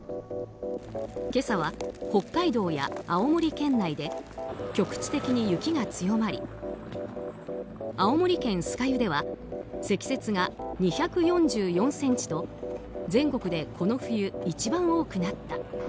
今朝は、北海道や青森県内で局地的に雪が強まり青森県酸ヶ湯では積雪が２４４ｃｍと全国でこの冬一番多くなった。